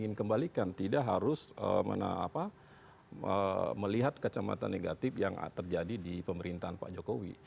ingin kembalikan tidak harus melihat kacamata negatif yang terjadi di pemerintahan pak jokowi